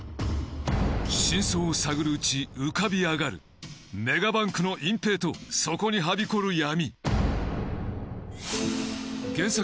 真相を探るうち浮かび上がるメガバンクの隠蔽とそこにはびこる闇。